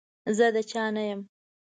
زه د چا نه يم.